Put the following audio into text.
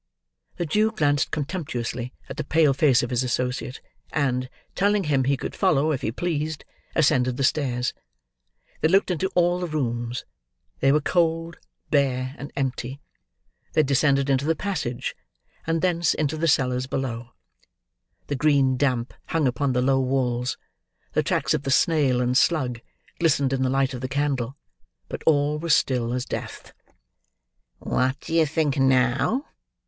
The Jew glanced contemptuously at the pale face of his associate, and, telling him he could follow, if he pleased, ascended the stairs. They looked into all the rooms; they were cold, bare, and empty. They descended into the passage, and thence into the cellars below. The green damp hung upon the low walls; the tracks of the snail and slug glistened in the light of the candle; but all was still as death. "What do you think now?"